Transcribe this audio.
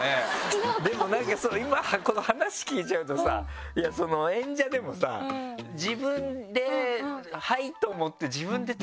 でもなんかそう今話聞いちゃうとさ演者でもさ自分で「はい！」と思って自分で撮ってるんだ